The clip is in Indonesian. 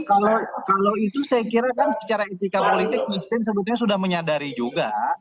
kalau itu saya kira kan secara etika politik miskin sebetulnya sudah menyadari juga